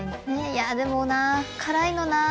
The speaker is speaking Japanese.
いやでもな辛いのな。